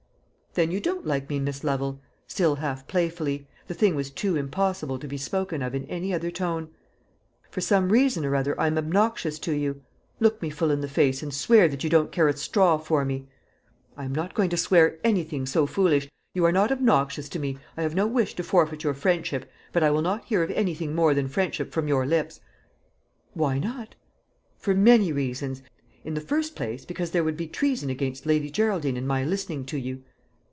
"Then you don't like me, Miss Lovel," still half playfully the thing was too impossible to be spoken of in any other tone. "For some reason or other I am obnoxious to you. Look me full in the face, and swear that you don't care a straw for me." "I am not going to swear anything so foolish. You are not obnoxious to me. I have no wish to forfeit your friendship; but I will not hear of anything more than friendship from your lips." "Why not?" "For many reasons. In the first place, because there would be treason against Lady Geraldine in my listening to you."